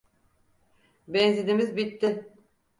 Benzinimiz bitti.